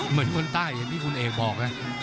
เหมือนคนใต้อย่างที่คุณเอกบอกนะ